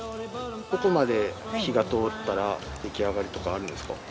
どこまで火が通ったら出来上がりとかあるんですか？